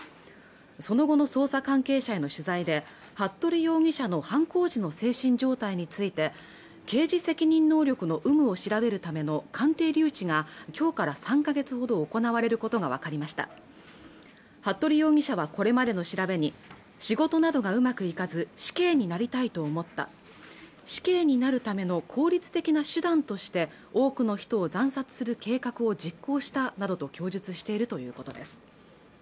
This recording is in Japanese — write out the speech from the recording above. その後の捜査関係者への取材で服部容疑者の犯行時の精神状態について刑事責任能力の有無を調べるための鑑定留置が今日から３ヶ月ほど行われることが分かりました服部容疑者はこれまでの調べに仕事などがうまくいかず死刑になりたいと思った死刑になるための効率的な手段として多くの人を惨殺する計画を実行したなどと供述しているということです